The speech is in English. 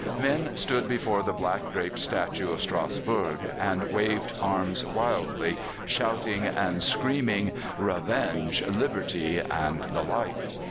Men stood before the black draped statue of Strasbourg, and waved arms wildly, shouting and screaming, "Revenge!" "Liberty!" and the like.